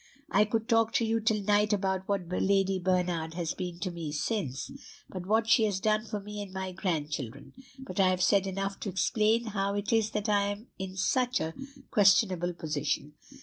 "I could talk to you till night about what Lady Bernard has been to me since, and what she has done for me and my grandchildren; but I have said enough to explain how it is that I am in such a questionable position.